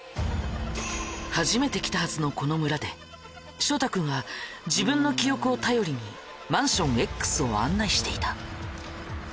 初めて来たはずのこの村で翔太君は自分の記憶を頼りにマンションＸを案内していた。